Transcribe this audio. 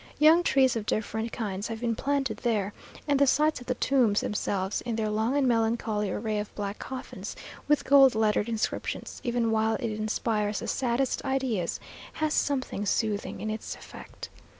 Young trees of different kinds have been planted there, and the sight of the tombs themselves, in their long and melancholy array of black coffins, with gold lettered inscriptions, even while it inspires the saddest ideas, has something soothing in its effect.